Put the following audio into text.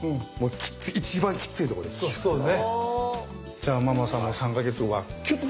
じゃあママさんも３か月後はキュッと！